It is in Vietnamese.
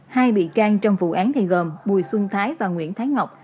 hai bị can trong vụ án này gồm bùi xuân thái và nguyễn thái ngọc